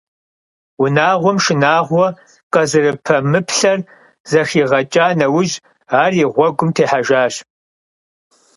Унагъуэм шынагъуэ къызэрыпэмыплъэр зэхигъэкӀа нэужь ар и гъуэгум техьэжащ.